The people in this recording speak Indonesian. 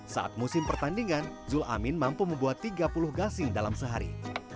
saat musim pertandingan zul amin mampu membuat tiga puluh gasing dalam sehari